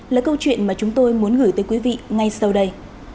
là câu chuyện mà chúng tôi muốn gửi tới quý vị ngay sau đây